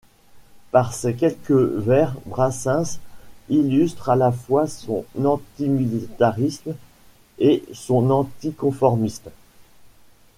Par ces quelques vers Brassens illustre à la fois son antimilitarisme et son anticonformisme.